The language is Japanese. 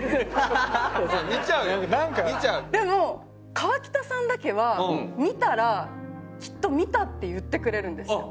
でも川北さんだけは見たらきっと「見た」って言ってくれるんですよ。